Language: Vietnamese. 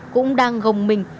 cũng đang gồng mình